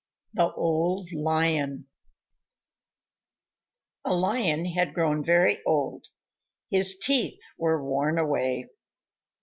_ THE OLD LION A Lion had grown very old. His teeth were worn away.